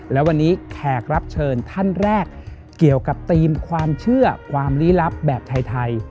และวันนี้แขกรับเชิญท่านแรกเกี่ยวกับธีมความเชื่อความลี้ลับแบบไทย